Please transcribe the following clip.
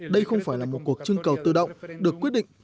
đây không phải là một cuộc trưng cầu tự động được quyết định